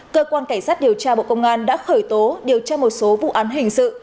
cơ quan cảnh sát điều tra bộ công an đã khởi tố điều tra một số vụ án hình sự